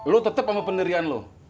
lo tetap sama pendirian lo